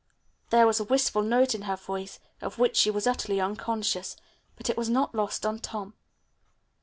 There was a wistful note in her voice of which she was utterly unconscious, but it was not lost on Tom.